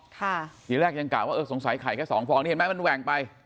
ทีแรกยังกะว่าเออสงสัยไข่แค่สองฟองนี่เห็นไหมมันแหว่งไป